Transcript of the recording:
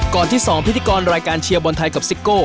ก่อนที่สองพิธีกรรมรายการเชียร์บอลไทยกับซิโก้